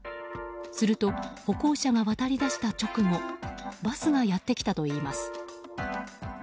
すると歩行者が渡り出した直後バスがやってきたといいます。